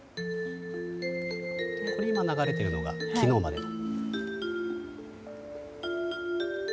今流れているのが昨日までの。